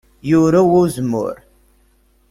Yurew uzemmur.